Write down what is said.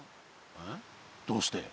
えどうして？